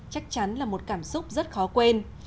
chắc chắn là một cảm xúc rất khó quên